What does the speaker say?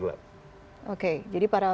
gelap oke jadi para